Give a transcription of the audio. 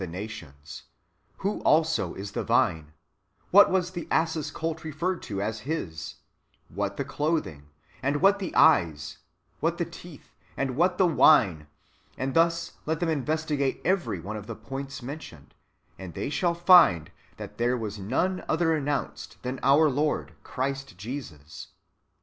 405 nations, wlio also is the vine, what was the ass's colt [referred to as] His, what the clothing, and what the eyes, what the teeth, and what the wane, and thus, let them investigate every one of the points mentioned ; and they shall find that there was none other announced than our Lord, Christ Jesus.